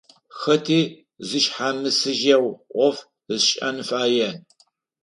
Хэти зышъхьамысыжьэу ӏоф ышӏэн фае.